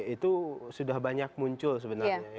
itu sudah banyak muncul sebenarnya